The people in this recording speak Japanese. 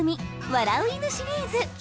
「笑う犬」シリーズ。